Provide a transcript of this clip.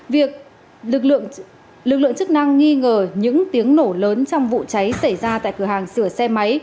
việc lực lượng chức năng nghi ngờ những tiếng nổ lớn trong vụ cháy xảy ra tại cửa hàng sửa xe máy